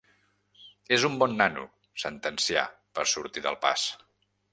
És un bon nano —sentencià per sortir del pas—.